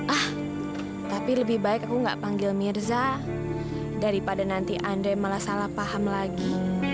ah tapi lebih baik aku nggak panggil mirza daripada nanti andai malah salah paham lagi